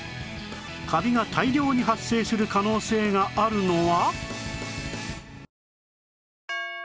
カビが大量に発生する可能性があるのは